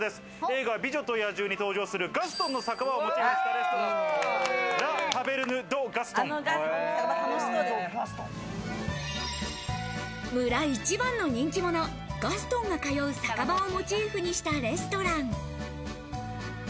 映画『美女と野獣』に登場するガストンの酒場をモチーフにしたレストラン、村一番の人気者、ガストンが通う酒場をモチーフにしたレストラン。